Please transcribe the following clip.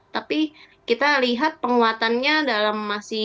tapi kita lihat penguatannya dalam masih